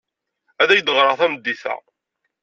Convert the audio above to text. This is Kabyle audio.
Ad ak-d-ɣreɣ tameddit-a.